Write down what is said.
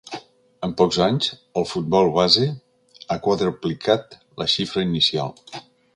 En pocs anys, el futbol base ha quadruplicat la xifra inicial.